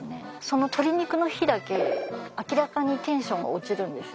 その鶏肉の日だけ明らかにテンションが落ちるんですよ。